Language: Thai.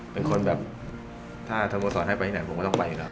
เป็นคนแบบถ้าโทรโมสรให้ไปที่ไหนผมก็ต้องไปเนอะ